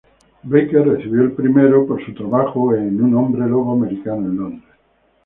Baker recibió el primer por su trabajo en "Un Hombre lobo americano en Londres.